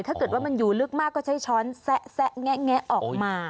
ถ้าเกิดว่ามันอยู่ลึกมากก็ใช้ช้อนแซะแงะออกมา